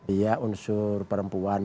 iya unsur perempuan mungkin